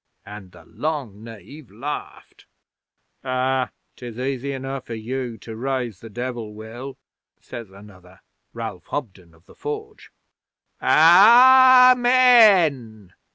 And the long knave laughed. '"Ah! 'tis easy enow for you to raise the Devil, Will," says another Ralph Hobden of the Forge. '"Aaa men!"